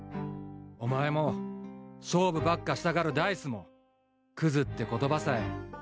お前も勝負ばっかしたがるダイスもクズって言葉さえ褒め言葉だ